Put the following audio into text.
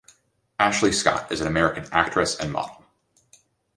Ashley Scott is an American actress and model.